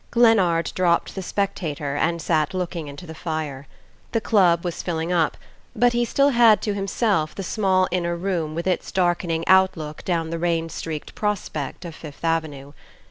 Glennard dropped the SPECTATOR and sat looking into the fire. The club was filling up, but he still had to himself the small inner room, with its darkening outlook down the rain streaked prospect of Fifth Avenue.